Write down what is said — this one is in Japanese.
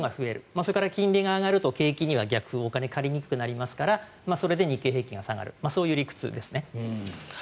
それから金利が上がると、景気はお金が借りにくくなりますからそれで日経平均が下がるそういう理屈ですね。